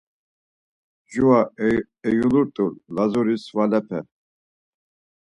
Mjora eyulurt̆u Lazuri svalepe.